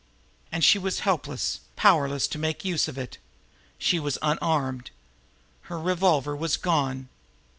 And she was helpless, powerless to make use of it. She was unarmed. Her revolver was gone.